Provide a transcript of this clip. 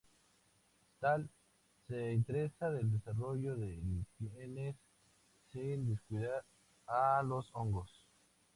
Stahl se interesa del desarrollo de líquenes, sin descuidar a los hongos.